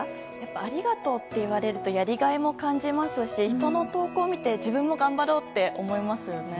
ありがとうと言われるとやりがいも感じますし人の投稿を見て自分も頑張ろうって思えますよね。